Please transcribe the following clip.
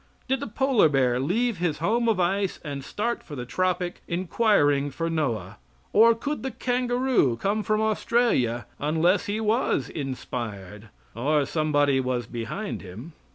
Did the polar bear leave his home of ice and start for the tropic inquiring for Noah; or could the kangaroo come from Australia unless he was inspired, or somebody was behind him?